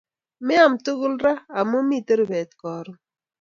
Meaam tugul raa, amu amin rubet karoon